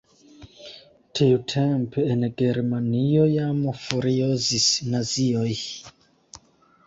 Tiutempe en Germanio jam furiozis nazioj.